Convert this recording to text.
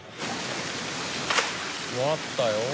割ったよ。